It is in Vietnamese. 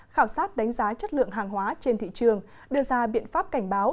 khảo sát đánh giá chất lượng hàng hóa trên thị trường đưa ra biện pháp cảnh báo